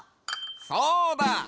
そうだ！